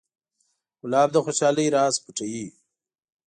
ګلاب د خوشحالۍ راز پټوي.